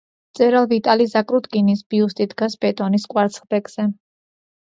მწერალ ვიტალი ზაკრუტკინის ბიუსტი დგას ბეტონის კვარცხლბეკზე.